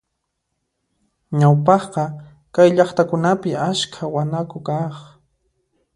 Ñawpaqqa kay llaqtakunapi askha wanaku kaq.